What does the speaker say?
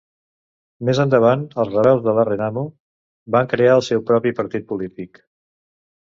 Més endavant, els rebels de la Renamo van crear el seu propi partit polític.